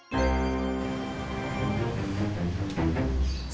tidak ada apa apa